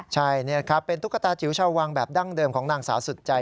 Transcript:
ใช่นี่ครับเป็นตุ๊กตาจิ๋วชาววังแบบดั้งเดิมของนางสาวสุดใจ